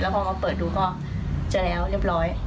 พอมาเปิดดูก็จะแล้วเรียบร้อย